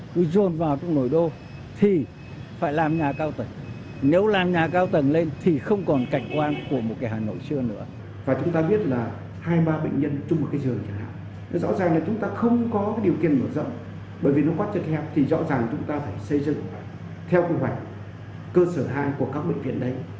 thì rõ ràng chúng ta phải xây dựng theo quy hoạch cơ sở hai của các bệnh viện đấy